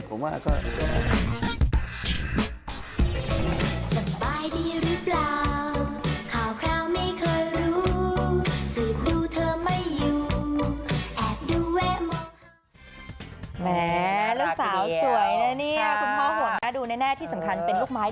คุณพ่อห่วงดูแน่ที่สำคัญเป็นลูกไม้